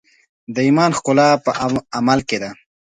د ایمان ښکلا په عمل کې ده.